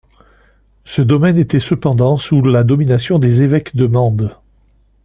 Ce domaine était cependant sous la domination des évêques de Mende.